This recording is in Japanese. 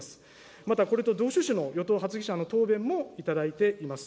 またこれと同趣旨の与党発議者の答弁も頂いています。